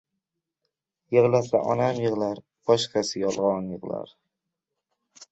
• Yig‘lasa onam yig‘lar, boshqasi yolg‘on yig‘lar.